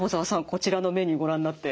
こちらのメニューご覧になって。